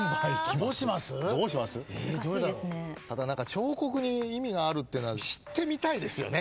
彫刻に意味があるのは知ってみたいですよね。